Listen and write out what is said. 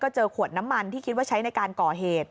เจอขวดน้ำมันที่คิดว่าใช้ในการก่อเหตุ